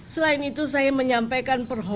selain itu saya menyampaikan